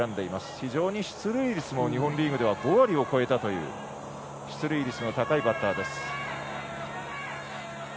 非常に出塁率も日本リーグでは５割を超えたという出塁率の高いバッターです。